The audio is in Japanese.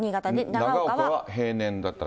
長岡は平年だったら。